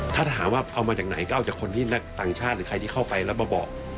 ถ้าถามว่าเอามาจากไหนก็เอาจากคนที่นักต่างชาติหรือใครที่เข้าไปแล้วมาบอก